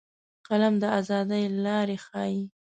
قلم د ازادۍ لارې ښيي